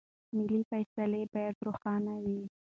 مالي پالیسي باید روښانه وي.